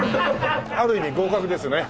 ある意味合格ですね。